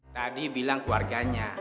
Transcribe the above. tadi bilang keluarganya